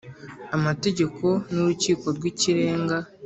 Amategeko n urukiko rw ikirenga